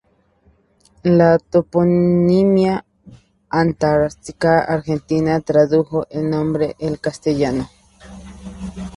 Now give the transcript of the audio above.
La toponimia antártica argentina tradujo el nombre al castellano.